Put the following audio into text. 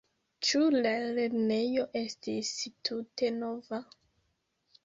Ĉu la lernejo estis tute nova?